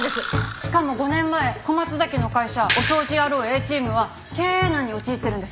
しかも５年前小松崎の会社おそうじ野郎Ａチームは経営難に陥ってるんです。